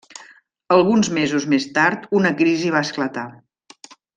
Alguns mesos més tard una crisi va esclatar.